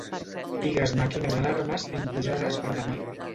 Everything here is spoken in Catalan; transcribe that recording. Digues-me quines alarmes tinc posades per demà.